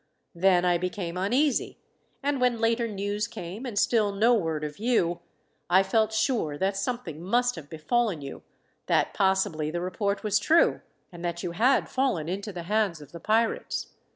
"Then I became uneasy; and when later news came, and still no word of you, I felt sure that something must have befallen you; that possibly the report was true, and that you had fallen into the hands of the pirates.